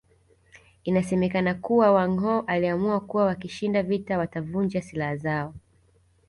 Inasemekana kuwa Wanghoo waliamua kuwa wakishinda vita watavunja silaha zao